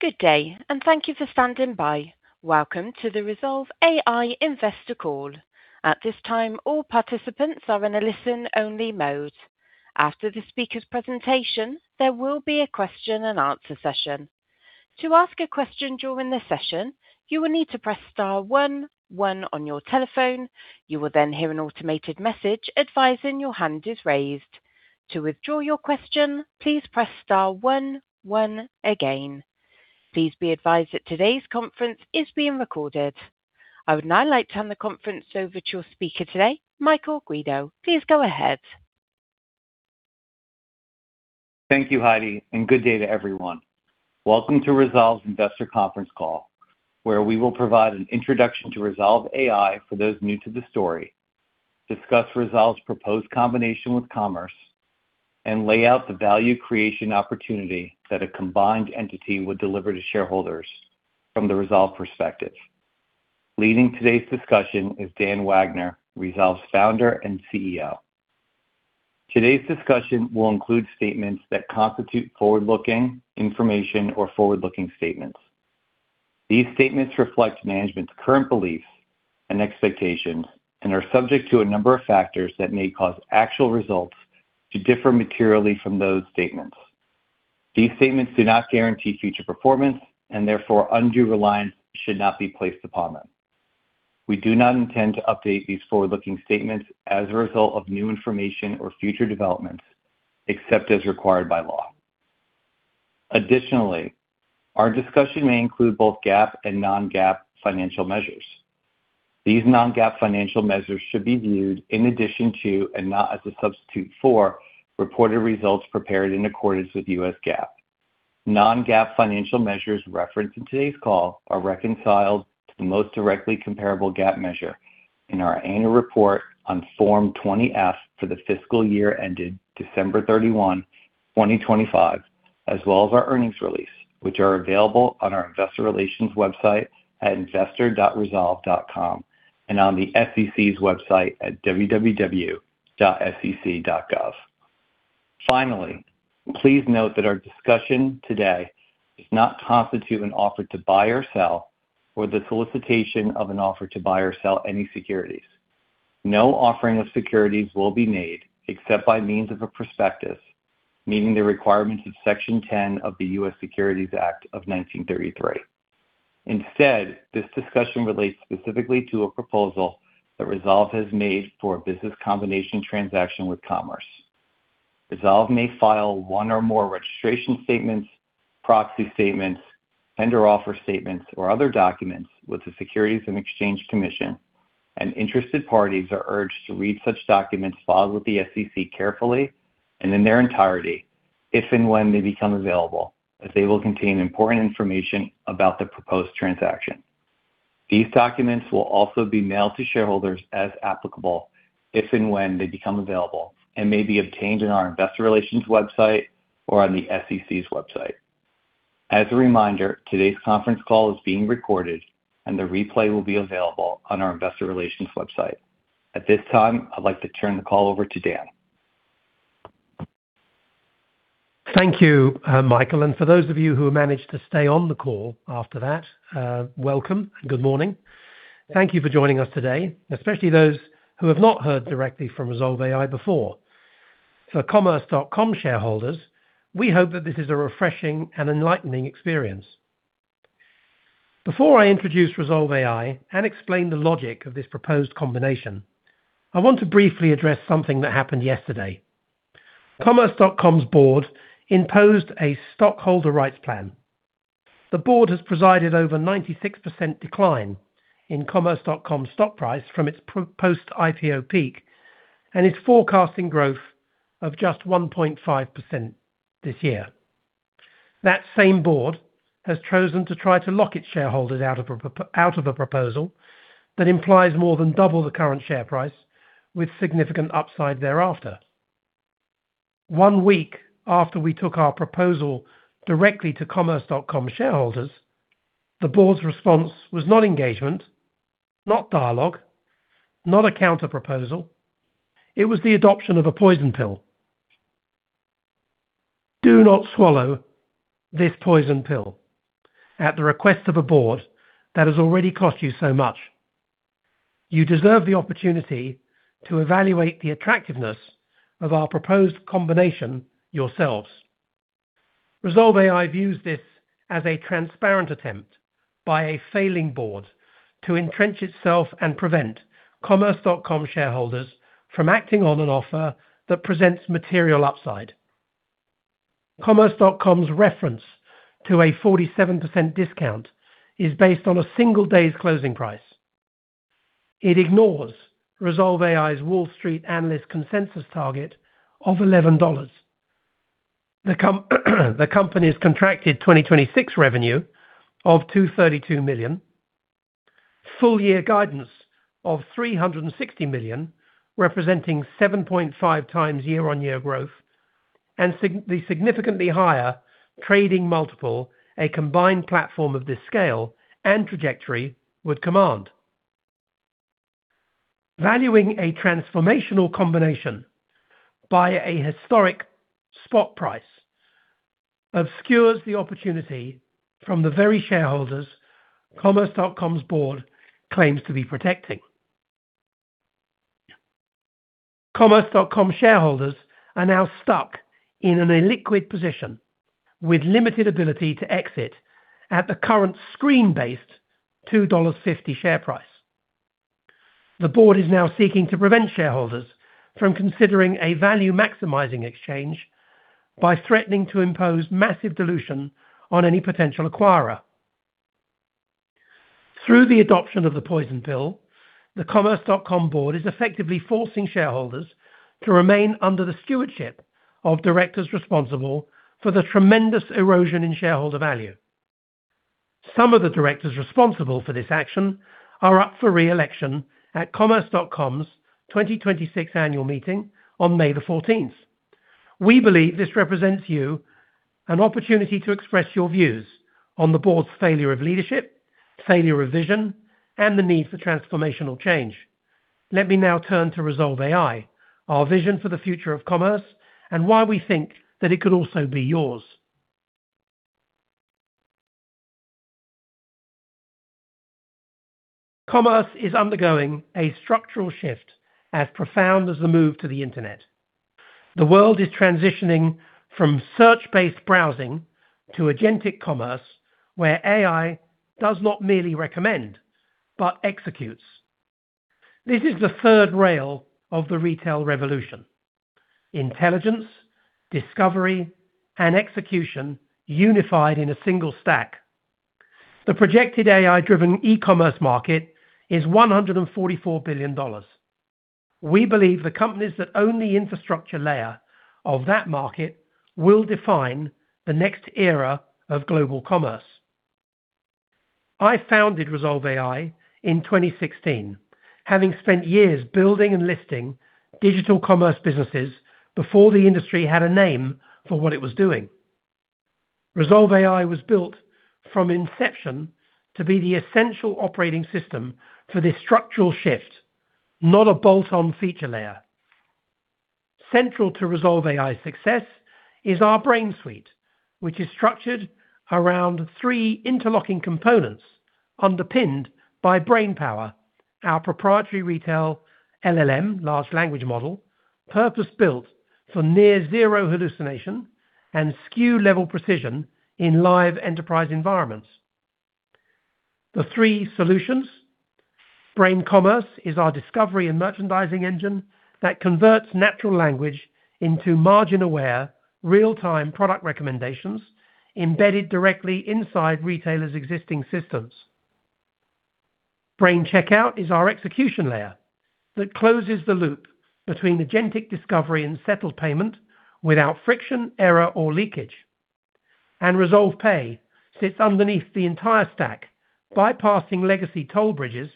Good day. Thank you for standing by. Welcome to the Rezolve AI investor call. At this time, all participants are in a listen-only mode. After the speaker's presentation, there will be a question and answer session. To ask a question during the session, you will need to press star one one on your telephone. You will then hear an automated message advising your hand is raised. To withdraw your question, please press star one one again. Please be advised that today's conference is being recorded. I would now like to turn the conference over to your speaker today, Michael Guido. Please go ahead. Thank you, Heidi, and good day to everyone. Welcome to Rezolve's investor conference call, where we will provide an introduction to Rezolve AI for those new to the story, discuss Rezolve's proposed combination with Commerce.com, and lay out the value creation opportunity that a combined entity would deliver to shareholders from the Rezolve perspective. Leading today's discussion is Dan Wagner, Rezolve's Founder and CEO. Today's discussion will include statements that constitute forward-looking information or forward-looking statements. These statements reflect management's current beliefs and expectations and are subject to a number of factors that may cause actual results to differ materially from those statements. These statements do not guarantee future performance, and therefore undue reliance should not be placed upon them. We do not intend to update these forward-looking statements as a result of new information or future developments, except as required by law. Additionally, our discussion may include both GAAP and non-GAAP financial measures. These non-GAAP financial measures should be viewed in addition to, and not as a substitute for, reported results prepared in accordance with U.S. GAAP. Non-GAAP financial measures referenced in today's call are reconciled to the most directly comparable GAAP measure in our annual report on Form 20-F for the fiscal year ended December 31, 2025, as well as our earnings release, which are available on our investor relations website at investor.rezolve.com and on the SEC's website at www.sec.gov. Finally, please note that our discussion today does not constitute an offer to buy or sell or the solicitation of an offer to buy or sell any securities. No offering of securities will be made except by means of a prospectus meeting the requirements of Section 10 of the U.S. Securities Act of 1933. Instead, this discussion relates specifically to a proposal that Rezolve AI has made for a business combination transaction with commerce.com. Rezolve AI may file one or more registration statements, proxy statements, tender offer statements, or other documents with the Securities and Exchange Commission, and interested parties are urged to read such documents filed with the SEC carefully and in their entirety if and when they become available, as they will contain important information about the proposed transaction. These documents will also be mailed to shareholders as applicable if and when they become available and may be obtained on our investor relations website or on the SEC's website. As a reminder, today's conference call is being recorded, and the replay will be available on our investor relations website. At this time, I'd like to turn the call over to Dan. Thank you, Michael, and for those of you who have managed to stay on the call after that, welcome and good morning. Thank you for joining us today, especially those who have not heard directly from Rezolve AI before. For Commerce.com shareholders, we hope that this is a refreshing and enlightening experience. Before I introduce Rezolve AI and explain the logic of this proposed combination, I want to briefly address something that happened yesterday. Commerce.com's Board imposed a stockholder rights plan. The Board has presided over 96% decline in Commerce.com's stock price from its post-IPO peak and is forecasting growth of just 1.5% this year. That same Board has chosen to try to lock its shareholders out of a proposal that implies more than double the current share price with significant upside thereafter. One week after we took our proposal directly to Commerce.com shareholders, the board's response was not engagement, not dialogue, not a counter-proposal. It was the adoption of a poison pill. Do not swallow this poison pill at the request of a board that has already cost you so much. You deserve the opportunity to evaluate the attractiveness of our proposed combination yourselves. Rezolve AI views this as a transparent attempt by a failing board to entrench itself and prevent Commerce.com shareholders from acting on an offer that presents material upside. Commerce.com's reference to a 47% discount is based on a single day's closing price. It ignores Rezolve AI's Wall Street analyst consensus target of $11. The company's contracted 2026 revenue of $232 million, full-year guidance of $360 million, representing 7.5x year-on-year growth, and the significantly higher trading multiple a combined platform of this scale and trajectory would command. Valuing a transformational combination by a historic spot price obscures the opportunity from the very shareholders Commerce.com's board claims to be protecting. Commerce.com shareholders are now stuck in an illiquid position with limited ability to exit at the current screen-based $2.50 share price. The board is now seeking to prevent shareholders from considering a value-maximizing exchange by threatening to impose massive dilution on any potential acquirer. Through the adoption of the poison pill, the Commerce.com board is effectively forcing shareholders to remain under the stewardship of directors responsible for the tremendous erosion in shareholder value. Some of the directors responsible for this action are up for re-election at Commerce.com's 2026 annual meeting on May the 14th. We believe this represents an opportunity to express your views on the board's failure of leadership, failure of vision, and the need for transformational change. Let me now turn to Rezolve AI, our vision for the future of commerce, and why we think that it could also be yours. Commerce is undergoing a structural shift as profound as the move to the internet. The world is transitioning from search-based browsing to agentic commerce, where AI does not merely recommend but executes. This is the third rail of the retail revolution, intelligence, discovery, and execution unified in a single stack. The projected AI-driven E-commerce market is $144 billion. We believe the companies that own the infrastructure layer of that market will define the next era of global commerce. I founded Rezolve AI in 2016, having spent years building and listing digital commerce businesses before the industry had a name for what it was doing. Rezolve AI was built from inception to be the essential operating system for this structural shift, not a bolt-on feature layer. Central to Rezolve AI's success is our Brain Suite, which is structured around three interlocking components underpinned by BrainPowa, our proprietary retail LLM, large language model, purpose-built for near-zero hallucination and SKU-level precision in live enterprise environments. The three solutions, Brain Commerce is our discovery and merchandising engine that converts natural language into margin-aware, real-time product recommendations embedded directly inside retailers' existing systems. Brain Checkout is our execution layer that closes the loop between agentic discovery and settled payment without friction, error, or leakage. RezolvePay sits underneath the entire stack, bypassing legacy toll bridges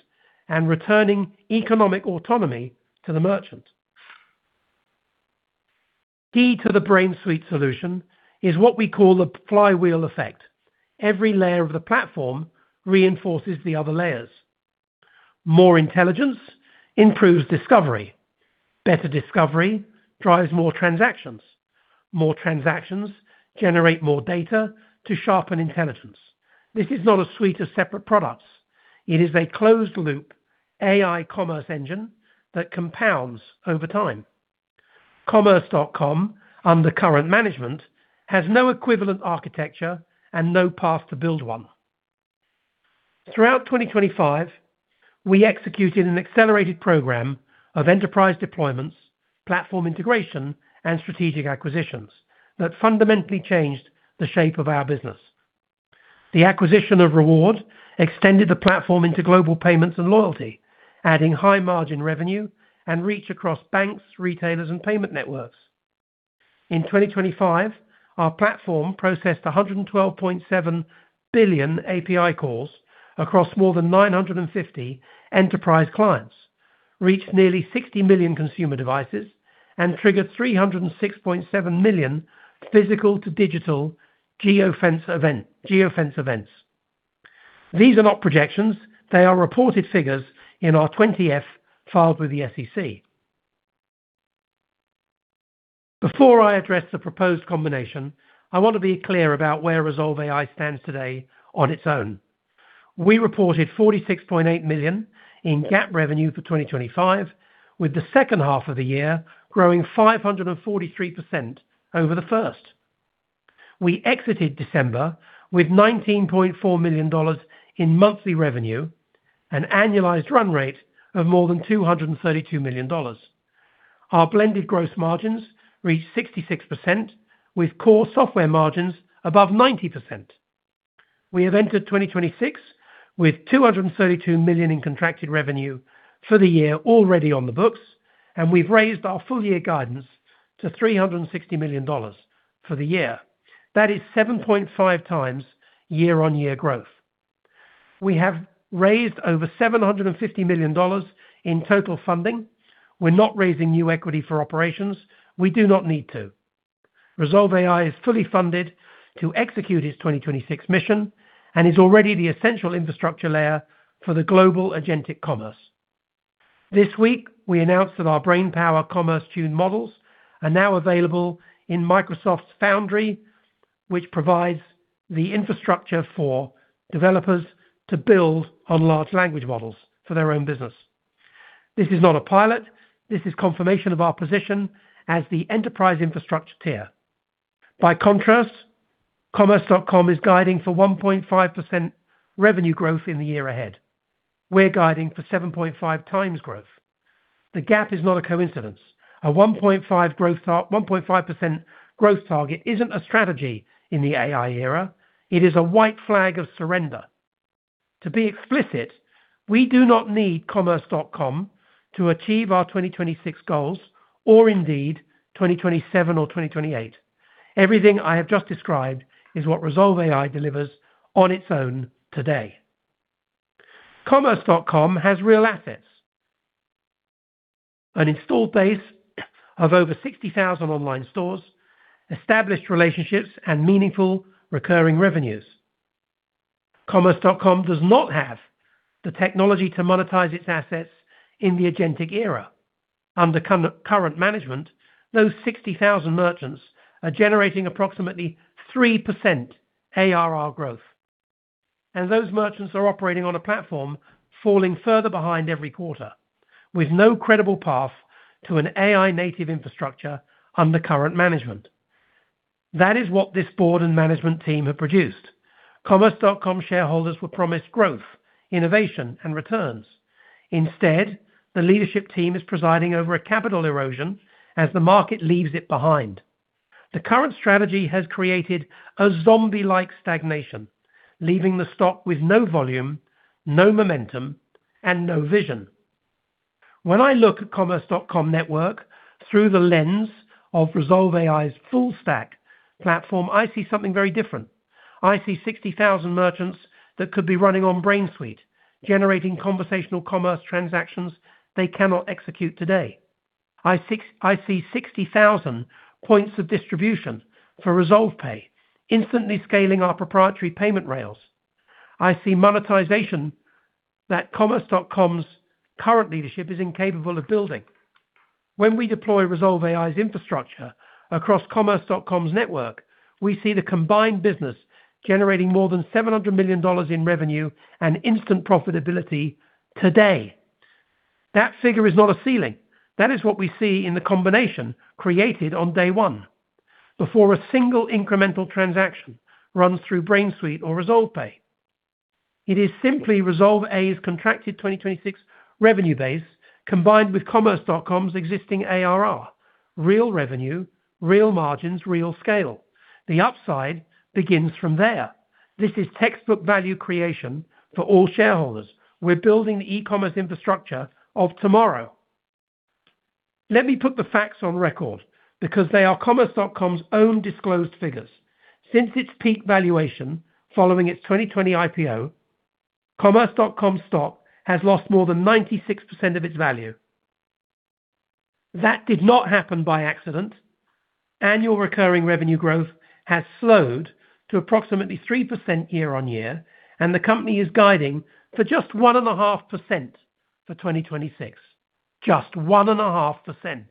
and returning economic autonomy to the merchant. Key to the Brain Suite solution is what we call the flywheel effect. Every layer of the platform reinforces the other layers. More intelligence improves discovery. Better discovery drives more transactions. More transactions generate more data to sharpen intelligence. This is not a suite of separate products. It is a closed loop AI commerce engine that compounds over time. Commerce.com, under current management, has no equivalent architecture and no path to build one. Throughout 2025, we executed an accelerated program of enterprise deployments, platform integration, and strategic acquisitions that fundamentally changed the shape of our business. The acquisition of Reward extended the platform into global payments and loyalty, adding high margin revenue and reach across banks, retailers, and payment networks. In 2025, our platform processed 112.7 billion API calls across more than 950 enterprise clients, reached nearly 60 million consumer devices, and triggered 306.7 million physical to digital geofence events. These are not projections. They are reported figures in our 20-F filed with the SEC. Before I address the proposed combination, I want to be clear about where Rezolve AI stands today on its own. We reported $46.8 million in GAAP revenue for 2025, with the second half of the year growing 543% over the first. We exited December with $19.4 million in monthly revenue, an annualized run rate of more than $232 million. Our blended gross margins reached 66%, with core software margins above 90%. We have entered 2026 with $232 million in contracted revenue for the year already on the books, and we've raised our full-year guidance to $360 million for the year. That is 7.5x year-on-year growth. We have raised over $750 million in total funding. We're not raising new equity for operations. We do not need to. Rezolve AI is fully funded to execute its 2026 mission and is already the essential infrastructure layer for the global agentic commerce. This week, we announced that our BrainPowa commerce tuned models are now available in Microsoft Foundry, which provides the infrastructure for developers to build on large language models for their own business. This is not a pilot. This is confirmation of our position as the enterprise infrastructure tier. By contrast, Commerce.com is guiding for 1.5% revenue growth in the year ahead. We're guiding for 7.5x growth. The gap is not a coincidence. A 1.5% growth target isn't a strategy in the AI era. It is a white flag of surrender. To be explicit, we do not need Commerce.com to achieve our 2026 goals, or indeed 2027 or 2028. Everything I have just described is what Rezolve AI delivers on its own today. Commerce.com has real assets, an installed base of over 60,000 online stores, established relationships, and meaningful recurring revenues. Commerce.com does not have the technology to monetize its assets in the agentic era. Under current management, those 60,000 merchants are generating approximately 3% ARR growth. Those merchants are operating on a platform falling further behind every quarter, with no credible path to an AI-native infrastructure under current management. That is what this board and management team have produced. Commerce.com shareholders were promised growth, innovation, and returns. Instead, the leadership team is presiding over a capital erosion as the market leaves it behind. The current strategy has created a zombie-like stagnation, leaving the stock with no volume, no momentum, and no vision. When I look at Commerce.com network through the lens of Rezolve AI's full stack platform, I see something very different. I see 60,000 merchants that could be running on Brain Suite, generating conversational commerce transactions they cannot execute today. I see 60,000 points of distribution for RezolvePay, instantly scaling our proprietary payment rails. I see monetization that Commerce.com's current leadership is incapable of building. When we deploy Rezolve AI's infrastructure across Commerce.com's network, we see the combined business generating more than $700 million in revenue and instant profitability today. That figure is not a ceiling. That is what we see in the combination created on day one, before a single incremental transaction runs through Brain Suite or RezolvePay. It is simply Rezolve AI's contracted 2026 revenue base combined with Commerce.com's existing ARR, real revenue, real margins, real scale. The upside begins from there. This is textbook value creation for all shareholders. We're building the E-commerce infrastructure of tomorrow. Let me put the facts on record because they are Commerce.com's own disclosed figures. Since its peak valuation following its 2020 IPO, Commerce.com stock has lost more than 96% of its value. That did not happen by accident. Annual recurring revenue growth has slowed to approximately 3% year-on-year, and the company is guiding for just 1.5% for 2026. Just 1.5%.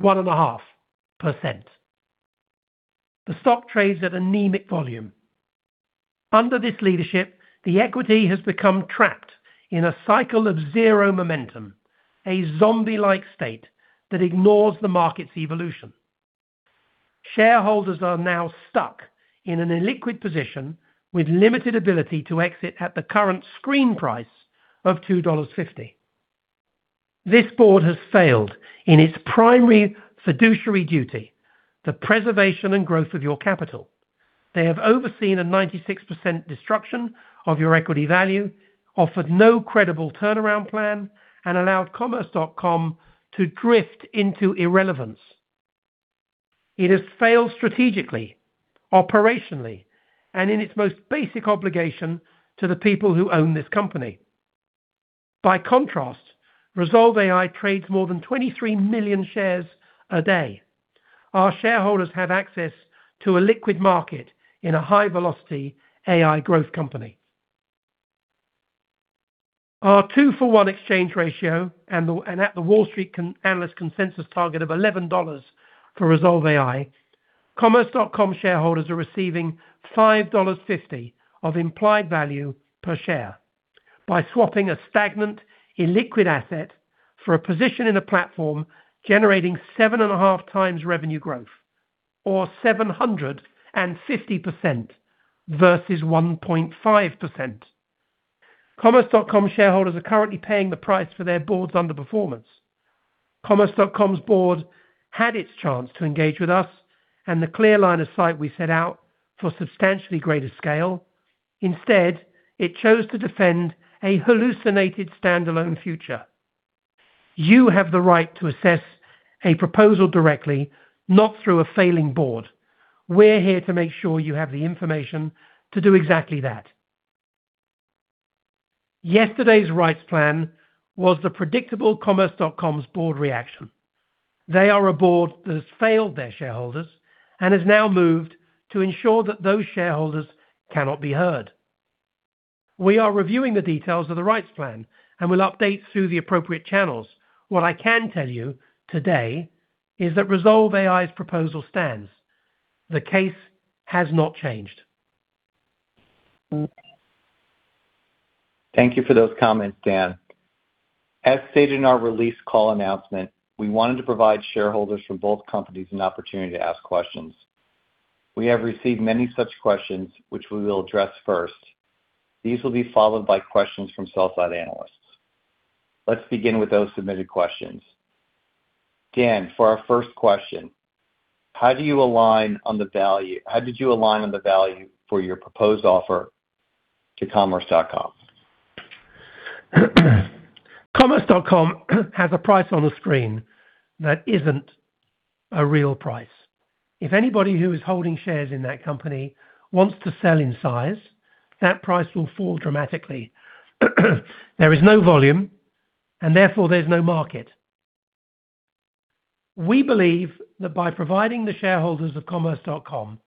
1.5%. The stock trades at anemic volume. Under this leadership, the equity has become trapped in a cycle of zero momentum, a zombie-like state that ignores the market's evolution. Shareholders are now stuck in an illiquid position with limited ability to exit at the current screen price of $2.50. This Board has failed in its primary fiduciary duty, the preservation and growth of your capital. They have overseen a 96% destruction of your equity value, offered no credible turnaround plan, and allowed Commerce.com to drift into irrelevance. It has failed strategically, operationally, and in its most basic obligation to the people who own this company. By contrast, Rezolve AI trades more than 23 million shares a day. Our shareholders have access to a liquid market in a high-velocity AI growth company. our 2/1 exchange ratio and at the Wall Street analyst consensus target of $11 for Rezolve AI, Commerce.com shareholders are receiving $5.50 of implied value per share by swapping a stagnant, illiquid asset for a position in a platform generating 7.5x revenue growth, or 750% versus 1.5%. Commerce.com shareholders are currently paying the price for their board's underperformance. Commerce.com's board had its chance to engage with us and the clear line of sight we set out for substantially greater scale. Instead, it chose to defend a hallucinated standalone future. You have the right to assess a proposal directly, not through a failing board. We're here to make sure you have the information to do exactly that. Yesterday's rights plan was the predictable Commerce.com's board reaction. They are a board that has failed their shareholders and has now moved to ensure that those shareholders cannot be heard. We are reviewing the details of the rights plan and will update through the appropriate channels. What I can tell you today is that Rezolve AI's proposal stands. The case has not changed. Thank you for those comments, Dan. As stated in our release call announcement, we wanted to provide shareholders from both companies an opportunity to ask questions. We have received many such questions, which we will address first. These will be followed by questions from sell-side analysts. Let's begin with those submitted questions. Dan, for our first question, how did you align on the value for your proposed offer to Commerce.com? Commerce.com has a price on the screen that isn't a real price. If anybody who is holding shares in that company wants to sell in size, that price will fall dramatically. There is no volume and therefore there's no market. We believe that by providing the shareholders of Commerce.com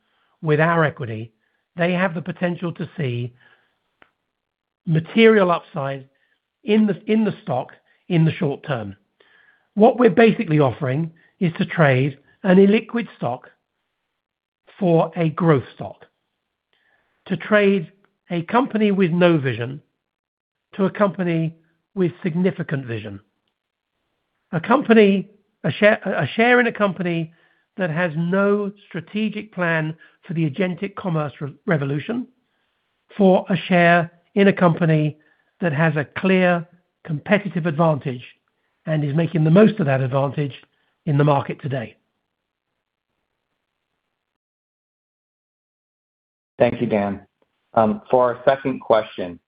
with our equity, they have the potential to see material upside in the stock in the short term. What we're basically offering is to trade an illiquid stock for a growth stock, to trade a company with no vision to a company with significant vision, a share in a company that has no strategic plan for the agentic commerce revolution, for a share in a company that has a clear competitive advantage and is making the most of that advantage in the market today. Thank you, Dan. For our second question,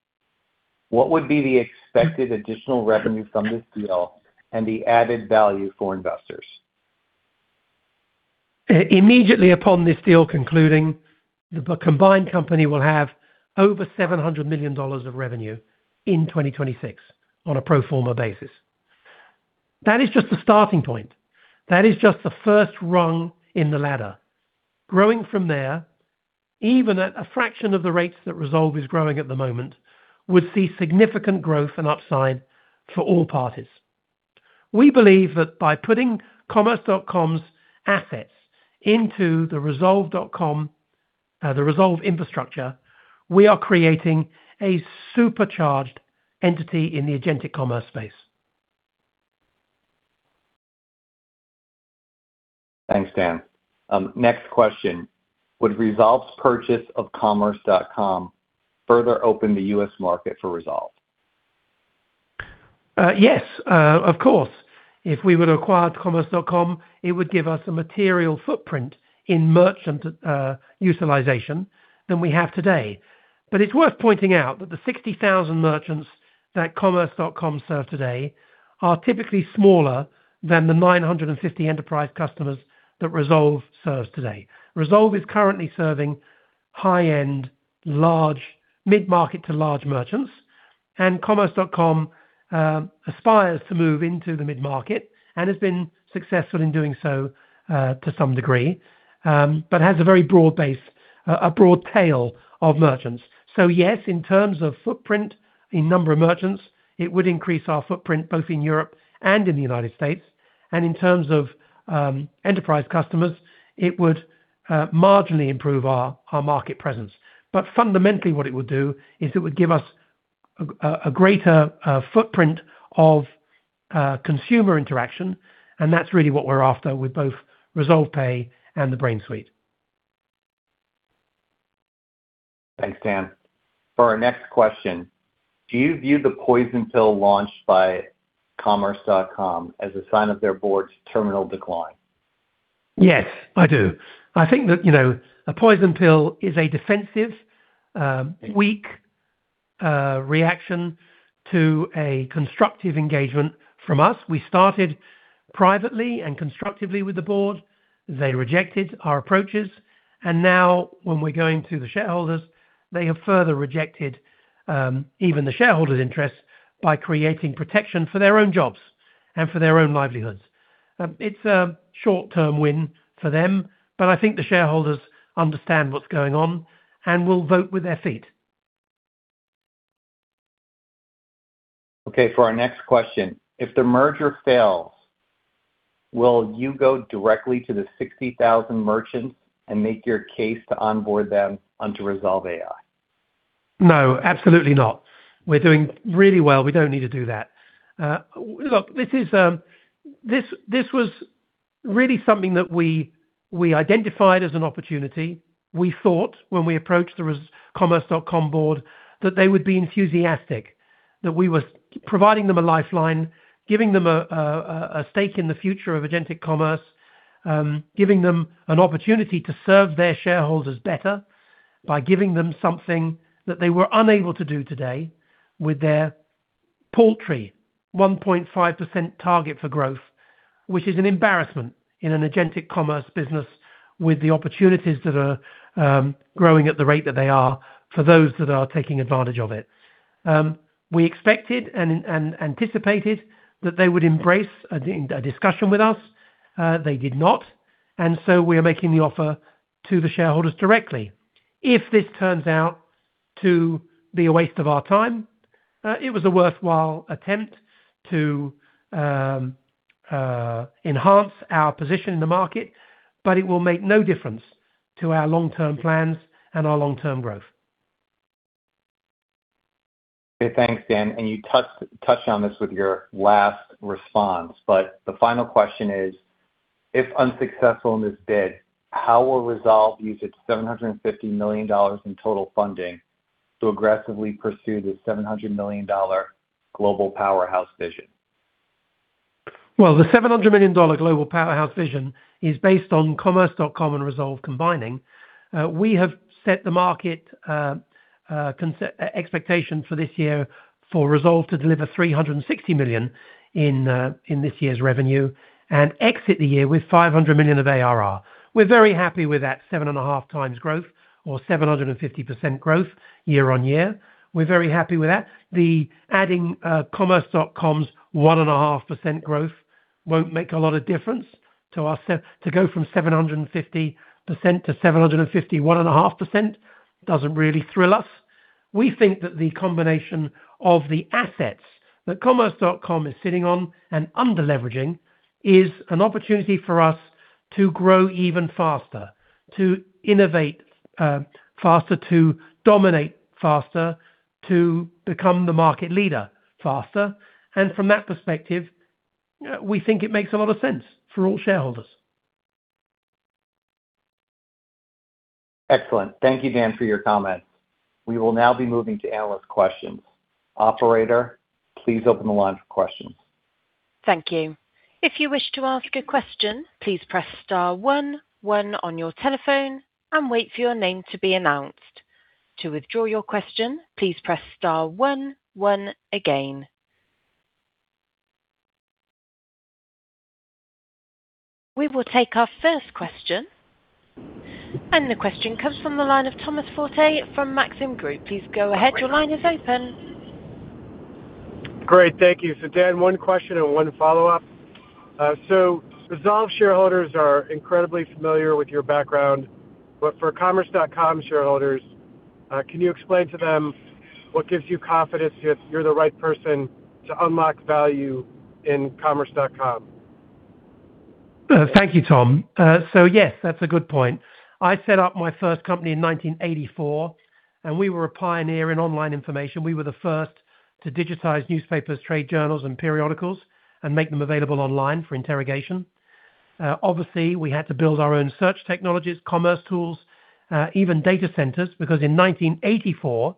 what would be the expected additional revenue from this deal and the added value for investors? Immediately upon this deal concluding, the combined company will have over $700 million of revenue in 2026 on a pro forma basis. That is just the starting point. That is just the first rung in the ladder. Growing from there, even at a fraction of the rates that Rezolve is growing at the moment, would see significant growth and upside for all parties. We believe that by putting Commerce.com's assets into the Rezolve infrastructure, we are creating a supercharged entity in the agentic commerce space. Thanks, Dan. Next question. Would Rezolve's purchase of Commerce.com further open the U.S. market for Rezolve? Yes, of course. If we were to acquire Commerce.com, it would give us a material footprint in merchant utilization than we have today. It's worth pointing out that the 60,000 merchants that Commerce.com serve today are typically smaller than the 950 enterprise customers that Rezolve serves today. Rezolve is currently serving high-end, mid-market to large merchants, and Commerce.com aspires to move into the mid-market and has been successful in doing so to some degree, but has a very broad base, a broad tail of merchants. Yes, in terms of footprint, in number of merchants, it would increase our footprint both in Europe and in the United States. In terms of enterprise customers, it would marginally improve our market presence. Fundamentally what it would do is it would give us a greater footprint of consumer interaction, and that's really what we're after with both RezolvePay and the Brain Suite. Thanks, Dan. For our next question, do you view the poison pill launched by Commerce.com as a sign of their Board's terminal decline? Yes, I do. I think that a poison pill is a defensive, weak reaction to a constructive engagement from us. We started privately and constructively with the Board. They rejected our approaches, and now when we're going to the shareholders, they have further rejected even the shareholders' interests by creating protection for their own jobs and for their own livelihoods. It's a short-term win for them, but I think the shareholders understand what's going on and will vote with their feet. Okay, for our next question, if the merger fails, will you go directly to the 60,000 merchants and make your case to onboard them onto Rezolve AI? No, absolutely not. We're doing really well. We don't need to do that. Look, this was really something that we identified as an opportunity. We thought when we approached the Commerce.com board that they would be enthusiastic, that we were providing them a lifeline, giving them a stake in the future of agentic commerce, giving them an opportunity to serve their shareholders better by giving them something that they were unable to do today with their paltry 1.5% target for growth, which is an embarrassment in an agentic commerce business with the opportunities that are growing at the rate that they are for those that are taking advantage of it. We expected and anticipated that they would embrace a discussion with us. They did not, and so we are making the offer to the shareholders directly. If this turns out to be a waste of our time, it was a worthwhile attempt to enhance our position in the market, but it will make no difference to our long-term plans and our long-term growth. Okay. Thanks, Dan. You touched on this with your last response, but the final question is, if unsuccessful in this bid, how will Rezolve use its $750 million in total funding to aggressively pursue this $700 million global powerhouse vision? Well, the $700 million global powerhouse vision is based on Commerce.com and Rezolve combining. We have set the market expectation for this year for Rezolve to deliver $360 million in this year's revenue and exit the year with $500 million of ARR. We're very happy with that 7.5x growth or 750% growth year-on-year. We're very happy with that. The adding Commerce.com's 1.5% growth won't make a lot of difference to us. To go from 750%-751.5% doesn't really thrill us. We think that the combination of the assets that Commerce.com is sitting on and under-leveraging is an opportunity for us to grow even faster, to innovate faster, to dominate faster, to become the market leader faster. From that perspective, we think it makes a lot of sense for all shareholders. Excellent. Thank you, Dan, for your comments. We will now be moving to analyst questions. Operator, please open the line for questions. Thank you. If you wish to ask a question, please press star one one on your telephone and wait for your name to be announced. To withdraw your question, please press star one one again. We will take our first question. The question comes from the line of Thomas Forte from Maxim Group. Please go ahead. Your line is open. Great. Thank you. Dan, one question and one follow-up. Rezolve shareholders are incredibly familiar with your background, but for Commerce.com shareholders, can you explain to them what gives you confidence you're the right person to unlock value in Commerce.com? Thank you, Tom. Yes, that's a good point. I set up my first company in 1984, and we were a pioneer in online information. We were the first to digitize newspapers, trade journals, and periodicals and make them available online for interrogation. Obviously, we had to build our own search technologies, commerce tools, even data centers, because in 1984,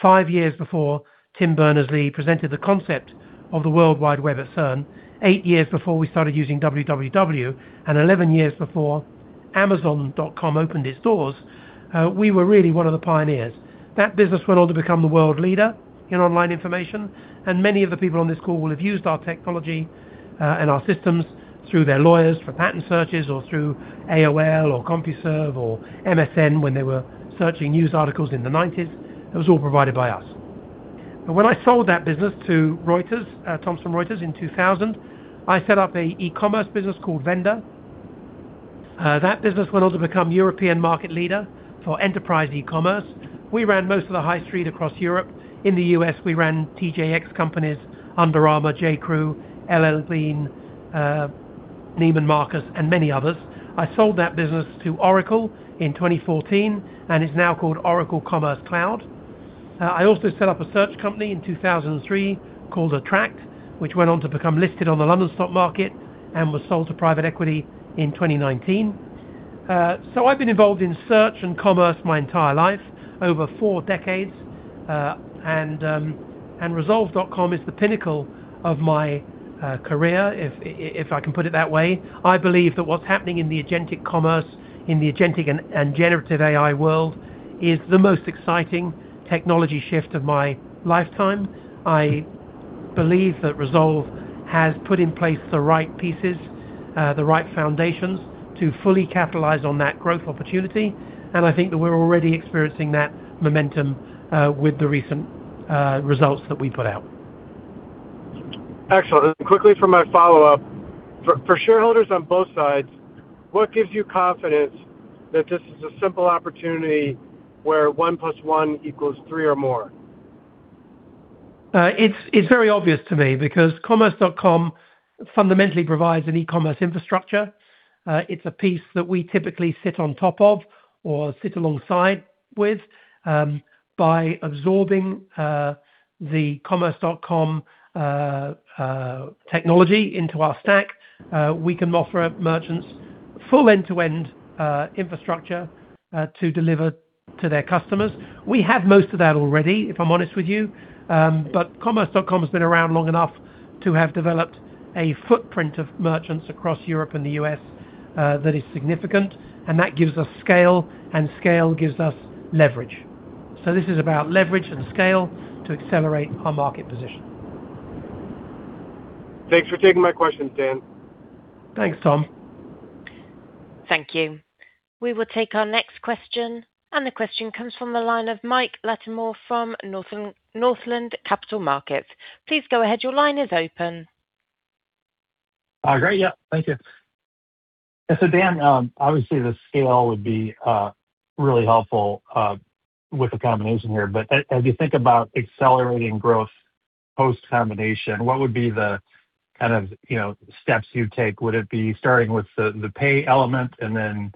five years before Tim Berners-Lee presented the concept of the World Wide Web at CERN, eight years before we started using www, and 11 years before amazon.com opened its doors, we were really one of the pioneers. That business went on to become the world leader in online information, and many of the people on this call will have used our technology, and our systems through their lawyers for patent searches or through AOL or CompuServe or MSN when they were searching news articles in the 1990s. It was all provided by us. When I sold that business to Thomson Reuters in 2000, I set up a E-commerce business called Venda. That business went on to become European market leader for enterprise E-commerce. We ran most of the high street across Europe. In the U.S., we ran TJX Companies, Under Armour, J.Crew, L.L.Bean, Neiman Marcus, and many others. I sold that business to Oracle in 2014, and it's now called Oracle Commerce Cloud. I also set up a search company in 2003 called Attraqt, which went on to become listed on the London Stock Market and was sold to private equity in 2019. I've been involved in search and commerce my entire life, over four decades. rezolve.com is the pinnacle of my career, if I can put it that way. I believe that what's happening in the agentic commerce, in the agentic and generative AI world, is the most exciting technology shift of my lifetime. I believe that Rezolve has put in place the right pieces, the right foundations to fully capitalize on that growth opportunity. I think that we're already experiencing that momentum with the recent results that we put out. Excellent. Quickly for my follow-up, for shareholders on both sides, what gives you confidence that this is a simple opportunity where one plus one equals three or more? It's very obvious to me because Commerce.com fundamentally provides an E-commerce infrastructure. It's a piece that we typically sit on top of or sit alongside with. By absorbing the Commerce.com technology into our stack, we can offer merchants full end-to-end infrastructure to deliver to their customers. We have most of that already, if I'm honest with you. But Commerce.com has been around long enoughTo have developed a footprint of merchants across Europe and the U.S. that is significant, and that gives us scale, and scale gives us leverage. So this is about leverage and scale to accelerate our market position. Thanks for taking my questions, Dan. Thanks, Tom. Thank you. We will take our next question, and the question comes from the line of Mike Latimore from Northland Capital Markets. Please go ahead. Your line is open. Great. Yeah, thank you. Dan, obviously, the scale would be really helpful with the combination here, but as you think about accelerating growth post-combination, what would be the kind of steps you'd take? Would it be starting with the pay element and then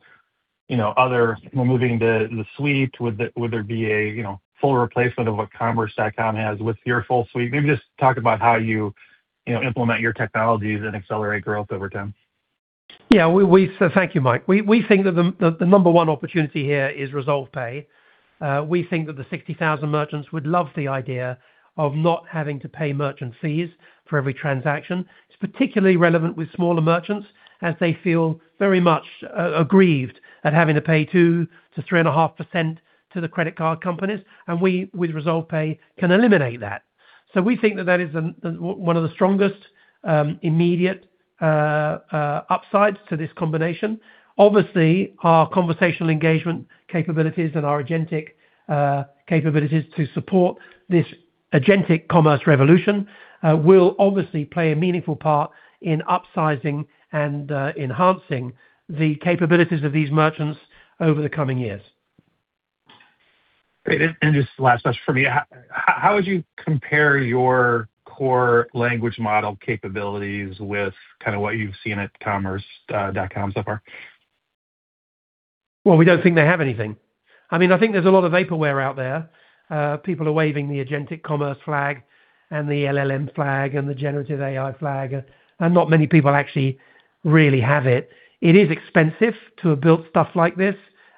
removing the suite? Would there be a full replacement of what Commerce.com has with your full suite? Maybe just talk about how you implement your technologies and accelerate growth over time. Yeah. Thank you, Mike. We think that the number one opportunity here is RezolvePay. We think that the 60,000 merchants would love the idea of not having to pay merchant fees for every transaction. It's particularly relevant with smaller merchants, as they feel very much aggrieved at having to pay 2%-3.5% to the credit card companies. We, with RezolvePay, can eliminate that. We think that that is one of the strongest, immediate upsides to this combination. Obviously, our conversational engagement capabilities and our agentic capabilities to support this agentic commerce revolution will obviously play a meaningful part in upsizing and enhancing the capabilities of these merchants over the coming years. Great. Just last question for me. How would you compare your core language model capabilities with kind of what you've seen at Commerce.com so far? Well, we don't think they have anything. I think there's a lot of vaporware out there. People are waving the agentic commerce flag and the LLM flag and the generative AI flag, and not many people actually really have it. It is expensive to have built stuff like this.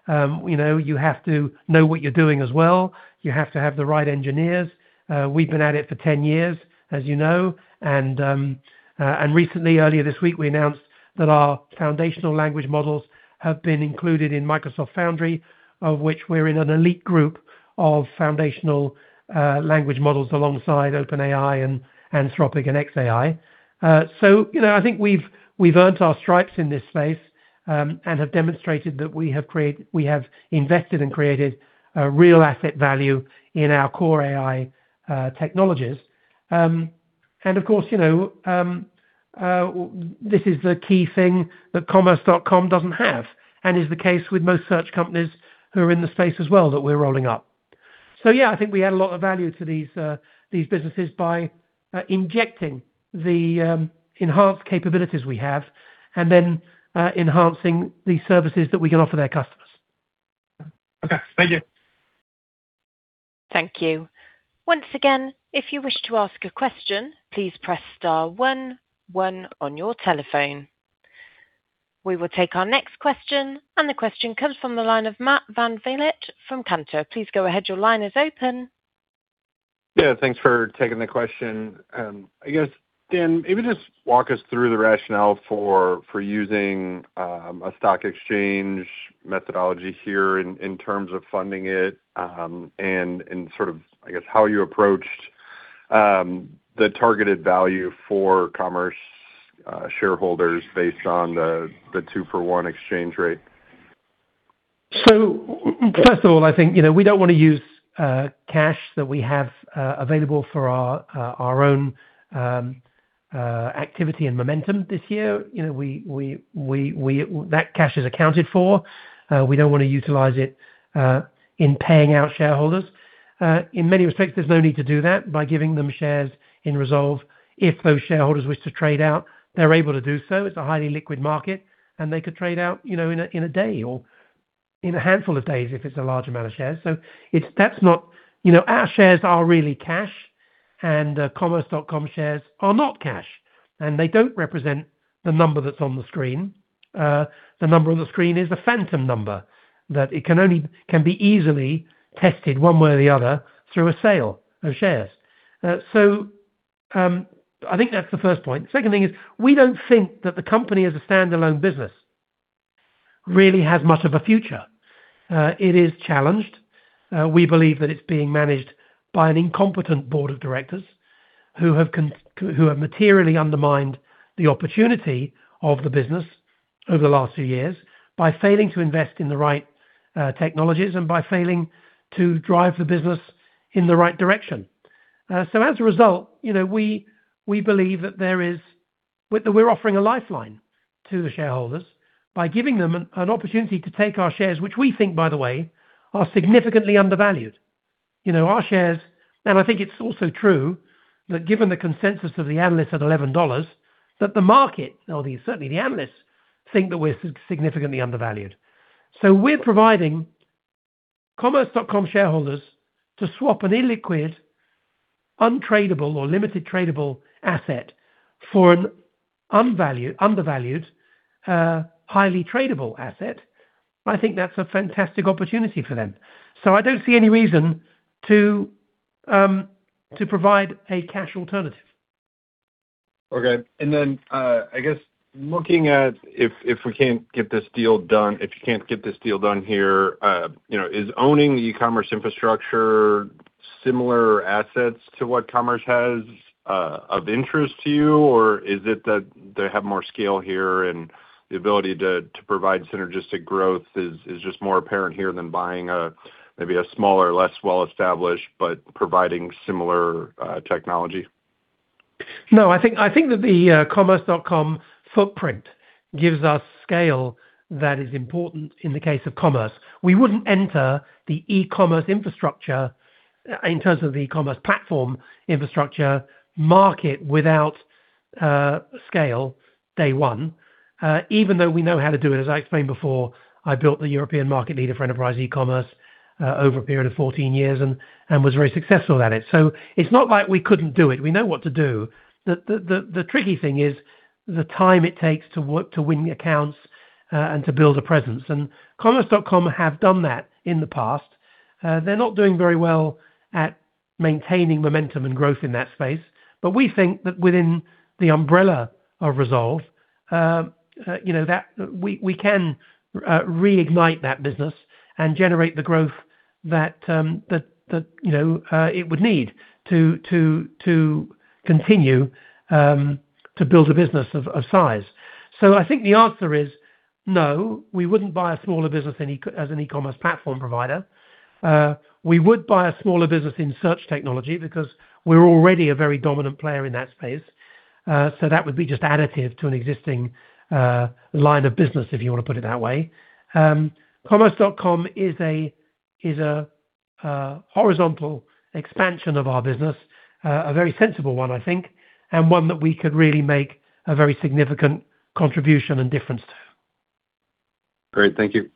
You have to know what you're doing as well. You have to have the right engineers. We've been at it for 10 years, as you know, and recently, earlier this week, we announced that our foundational language models have been included in Microsoft Foundry, of which we're in an elite group of foundational language models alongside OpenAI and Anthropic and xAI. I think we've earned our stripes in this space and have demonstrated that we have invested and created a real asset value in our core AI technologies. Of course, this is the key thing that Commerce.com doesn't have, and is the case with most search companies who are in the space as well that we're rolling up. Yeah, I think we add a lot of value to these businesses by injecting the enhanced capabilities we have and then enhancing the services that we can offer their customers. Okay. Thank you. Thank you. Once again, if you wish to ask a question, please press star one one on your telephone. We will take our next question, and the question comes from the line of Matt VanVliet from Cantor. Please go ahead. Your line is open. Yeah, thanks for taking the question. I guess, Dan, maybe just walk us through the rationale for using a stock exchange methodology here in terms of funding it, and sort of how you approached the targeted value for Commerce.com shareholders based on the 2-for-1 exchange rate. First of all, I think we don't want to use cash that we have available for our own activity and momentum this year. That cash is accounted for. We don't want to utilize it in paying out shareholders. In many respects, there's no need to do that by giving them shares in Rezolve. If those shareholders wish to trade out, they're able to do so. It's a highly liquid market and they could trade out in a day or in a handful of days if it's a large amount of shares. Our shares are really cash and Commerce.com shares are not cash, and they don't represent the number that's on the screen. The number on the screen is a phantom number that it can be easily tested one way or the other through a sale of shares. I think that's the first point. Second thing is we don't think that the company as a standalone business really has much of a future. It is challenged. We believe that it's being managed by an incompetent Board of Directors who have materially undermined the opportunity of the business over the last few years by failing to invest in the right technologies and by failing to drive the business in the right direction. As a result, we believe that we're offering a lifeline to the shareholders by giving them an opportunity to take our shares, which we think, by the way, are significantly undervalued. I think it's also true that given the consensus of the analysts at $11, that the market, or certainly the analysts, think that we're significantly undervalued. We're providing Commerce.com shareholders to swap an illiquid, untradable or limited tradable asset for an undervalued, highly tradable asset. I think that's a fantastic opportunity for them. I don't see any reason to provide a cash alternative. Okay. I guess looking at if you can't get this deal done here, is owning the E-commerce infrastructure similar assets to what Commerce.com has of interest to you? Is it that they have more scale here and the ability to provide synergistic growth is just more apparent here than buying maybe a smaller, less well-established, but providing similar technology? No, I think that the Commerce.com footprint gives us scale that is important in the case of Commerce.com. We wouldn't enter the E-commerce infrastructure in terms of the E-commerce platform infrastructure market without scale day one, even though we know how to do it. As I explained before, I built the European market leader for enterprise E-commerce over a period of 14 years and was very successful at it. It's not like we couldn't do it. We know what to do. The tricky thing is the time it takes to win the accounts and to build a presence. Commerce.com have done that in the past. They're not doing very well at maintaining momentum and growth in that space. We think that within the umbrella of Rezolve, we can reignite that business and generate the growth that it would need to continue to build a business of size. I think the answer is no, we wouldn't buy a smaller business as an E-commerce platform provider. We would buy a smaller business in search technology because we're already a very dominant player in that space. That would be just additive to an existing line of business, if you want to put it that way. Commerce.com is a horizontal expansion of our business, a very sensible one, I think, and one that we could really make a very significant contribution and difference to. Great. Thank you.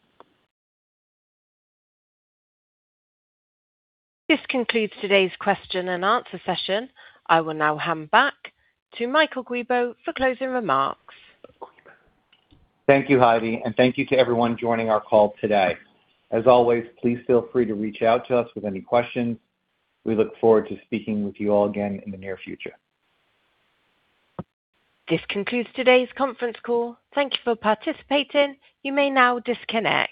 This concludes today's question and answer session. I will now hand back to Arthur Yao for closing remarks. Thank you, Heidi. Thank you to everyone joining our call today. As always, please feel free to reach out to us with any questions. We look forward to speaking with you all again in the near future. This concludes today's conference call. Thank you for participating. You may now disconnect.